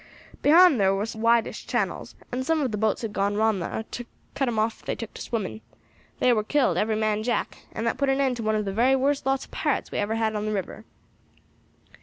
Behind thar war some widish channels, and some of the boats had gone round thar to cut 'em off if they took to swimming. They war killed, every man jack, and that put an end to one of the very worst lots of pirates we ever had on the river."